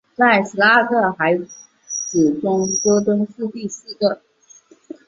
在十二个孩子中戈登是第四个。